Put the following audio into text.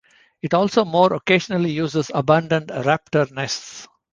It also more occasionally uses abandoned raptor nests.